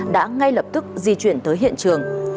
đã ngay lập tức di chuyển tới hiện trường